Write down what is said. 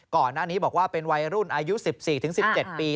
ก่อนหน้านี้บอกว่าเป็นวัยรุ่นอายุ๑๔๑๗ปี